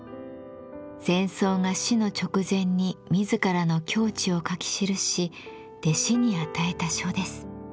禅僧が死の直前に自らの境地を書き記し弟子に与えた書です。